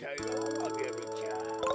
アゲルちゃん。